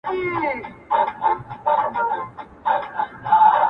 تر تا څو چنده ستا د زني عالمگير ښه دی!